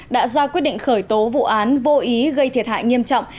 đã ra quyết định khởi tố vụ án vô ý gây thiệt hại nghiêm trọng